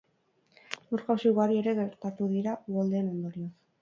Lur-jausi ugari ere gertatu dira uholdeen ondorioz.